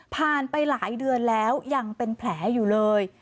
ไปหลายเดือนแล้วยังเป็นแผลอยู่เลย